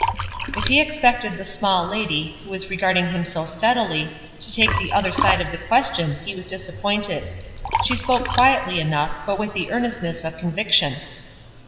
If he expected the small lady, who was regarding him so steadily, to take the other side of this question, he was disappointed. She spoke quietly enough, but with the earnestness of conviction.